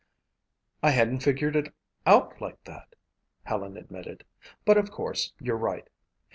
"I hadn't figured it out like that," Helen admitted, "but of course you're right.